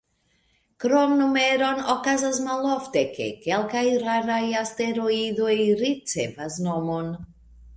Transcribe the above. Krom numeron, okazas malofte, ke kelkaj raraj asteroidoj ricevas nomon.